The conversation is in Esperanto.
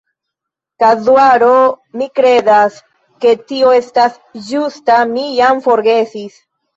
Kazuaro. Mi kredas, ke tio estas ĝusta, mi jam forgesis.